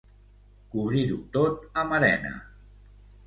Cobrir-ho tot amb arena.